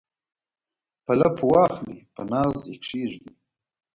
په لپو واخلي په ناز یې کښیږدي